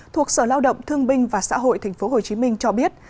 thuộc sở lao động thương binh và xã hội tp hcm cho biết